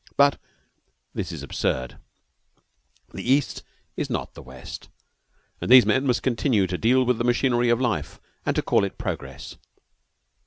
But this is absurd. The East is not the West, and these men must continue to deal with the machinery of life, and to call it progress.